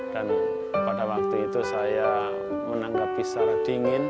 dan pada waktu itu saya menanggapi secara dingin